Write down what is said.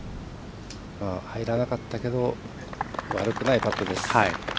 入らなかったけど悪くないパットです。